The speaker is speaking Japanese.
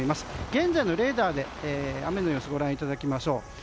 現在のレーダーで雨の様子をご覧いただきましょう。